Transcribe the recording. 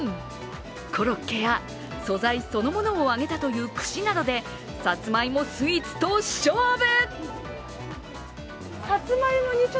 コロッケや素材そのものを揚げたという串などでさつまいもスイーツと勝負！